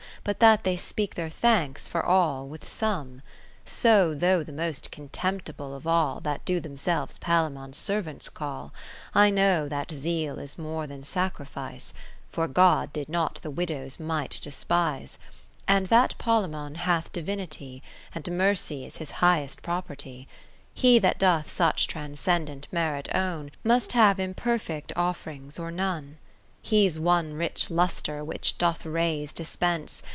But that they speak their thanks for all with some : So though the most contemptible of all That do themselves Palaemon's ser vants call, iQ I know that Zeal is more than sacrifice, (For God did not the widow's mite despise) And that Palaemon hath Divinity, And Mercy is his highest property : He that doth such transcendent merit own. Must have imperfect off'rings or none. He 's one rich lustre which doth rays dispense.